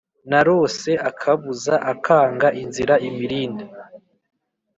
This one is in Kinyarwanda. narose akabuza akanga inzira imirindi